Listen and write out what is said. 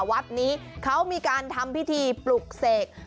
วัดนี้เขามีการทำพิธีปลุกเสก